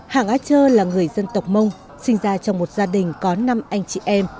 hàng a chơ là người dân tộc mông sinh ra trong một gia đình có năm anh chị em